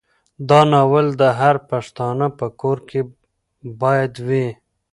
دا ناول د هر پښتانه په کور کې باید وي.